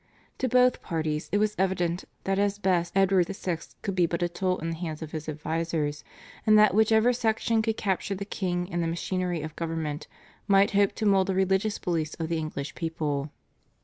To both parties it was evident that at best Edward VI. could be but a tool in the hands of his advisers, and that whichever section could capture the king and the machinery of government might hope to mould the religious beliefs of the English people.